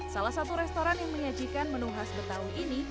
salah satu restoran yang menyajikan menu khas betawi ini